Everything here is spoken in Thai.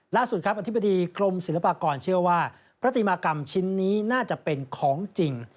ล่าสุดครับอธิบดีกรมศิลปากรเชื่อว่าปฏิมากรรมชิ้นนี้น่าจะเป็นของจริง